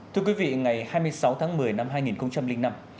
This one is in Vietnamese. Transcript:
thưa quý vị ngày hai mươi sáu tháng một mươi năm hai nghìn năm